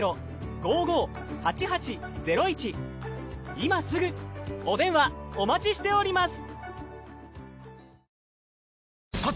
今すぐお電話お待ちしております！